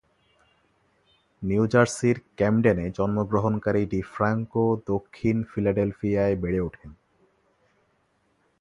New জার্সির ক্যামডেনে জন্মগ্রহণকারী ডিফ্রাঙ্কো দক্ষিণ ফিলাডেলফিয়ায় বেড়ে ওঠেন।